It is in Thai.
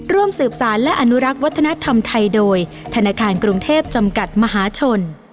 ร่วมสืบสารและอนุรักษ์วัฒนธรรมไทยโดยธนาคารกรุงเทพจำกัดมหาชน